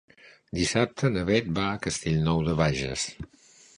Dissabte na Bet va a Castellnou de Bages.